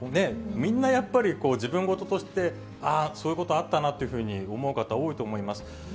みんなやっぱり、自分事としてあー、そういうことあったなというふうに思う方、多いと思います。